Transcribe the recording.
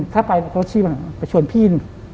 ถ้าไปก็ชวนพี่